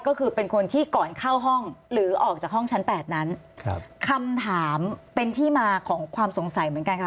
ก็คือเป็นคนที่ก่อนเข้าห้องหรือออกจากห้องชั้นแปดนั้นครับคำถามเป็นที่มาของความสงสัยเหมือนกันค่ะ